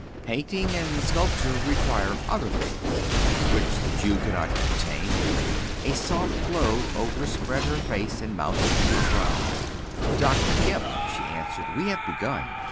Painting and sculpture require other things." "Which the Jew cannot obtain?" A soft glow overspread her face and mounted to her brow. "Dr. Kemp," she answered, "we have begun.